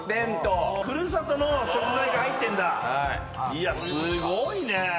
いやすごいね。